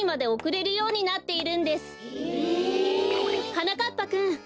はなかっぱくん。